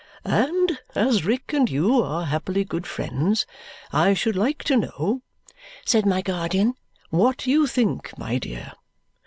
"And as Rick and you are happily good friends, I should like to know," said my guardian, "what you think, my dear.